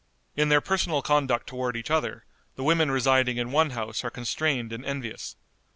In their personal conduct toward each other the women residing in one house are constrained and envious.